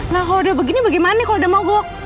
nah kalo udah begini bagaimana kalo udah mau gok